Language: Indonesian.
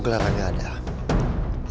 kayaknya engkau ini bizim road worker